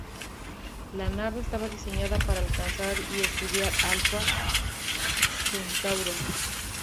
La nave estaba diseñada para alcanzar y estudiar Alfa Centauro.